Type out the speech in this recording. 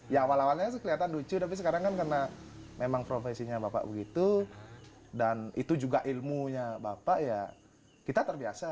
ya awal awalnya kelihatan lucu tapi sekarang kan karena memang profesinya bapak begitu dan itu juga ilmunya bapak ya kita terbiasa